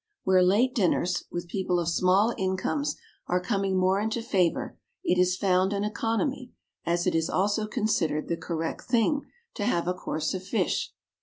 Where late dinners, with people of small incomes, are coming more into favour, it is found an economy, as it is also considered the "correct thing," to have a course of fish.